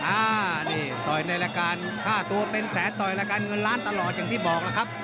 อ่านี่ต่อยในรายการค่าตัวเป็นแสนต่อยรายการเงินล้านตลอดอย่างที่บอกแล้วครับ